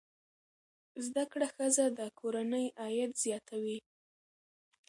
زده کړه ښځه د کورنۍ عاید زیاتوي.